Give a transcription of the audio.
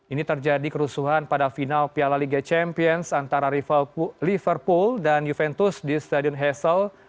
ini terjadi kerusuhan pada final piala liga champions antara liverpool dan juventus di stadion hassel